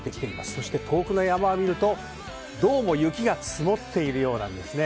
そして遠くの山を見るとどうも雪が積もっているようなんですね。